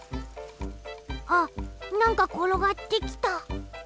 あっなんかころがってきた。